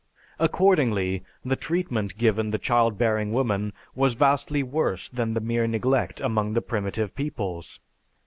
Accordingly the treatment given the child bearing woman was vastly worse than the mere neglect among the primitive peoples.